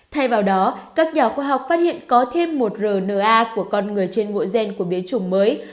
thay vào đó các nhà khoa học phát hiện có thêm một rna của con người trên mỗi gen của biến chủng mới